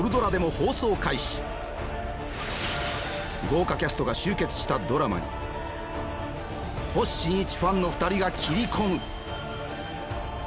豪華キャストが集結したドラマに星新一ファンの２人が切り込む！